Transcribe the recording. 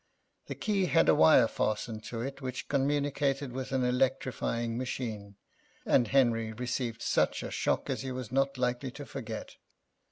The key had a wire fastened to it which communicated with an electrifying machine, and Henry received such a shock as he was not likely to forget.